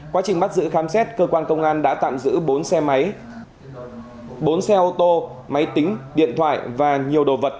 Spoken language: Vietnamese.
quá trình bắt giữ khám xét cơ quan công an đã tạm giữ bốn xe máy bốn xe ô tô máy tính điện thoại và nhiều đồ vật